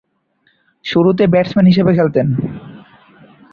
শুরুতে ব্যাটসম্যান হিসেবে খেলতেন।